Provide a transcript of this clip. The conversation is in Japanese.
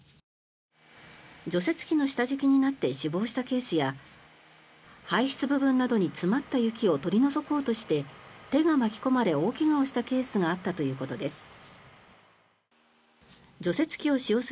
除雪機の下敷きになって死亡したケースや排出部分などに詰まった雪を取り除こうとして手が巻き込まれ大怪我をしたケースがあったということです。